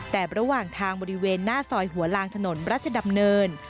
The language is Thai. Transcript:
แต่ระหว่างทางบริเวณหน้าซอยหัวลางถนนราชดำเนิน